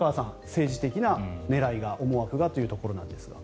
政治的な狙いが、思惑がというところなんですが。